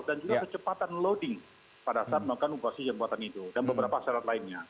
dan juga kecepatan loading pada saat menggunakan operasi yang dibuat itu dan beberapa syarat lainnya